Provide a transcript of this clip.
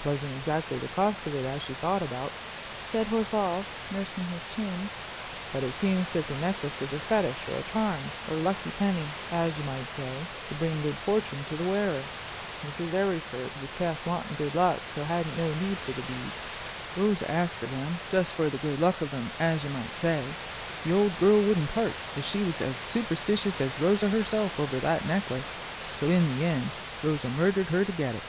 "'Twasn't exactly the cost of it as she thought about," said Horval, nursing his chin, "but it seems that the necklace is a fetish, or charm, or lucky penny, as you might say, to bring good fortune to the wearer. Mrs. Arryford was past wanting good luck, so hadn't no need for the beads. Rosa asked her for them, just for the good luck of them, as you might say. The old girl wouldn't part, as she was as superstitious as Rosa herself over that necklace; so in the end Rosa murdered her to get it."